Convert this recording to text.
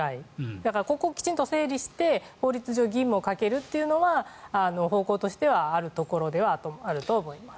だから、ここをきちんと整理して法律上、義務をかけるのは方向としてはあるところではあると思います。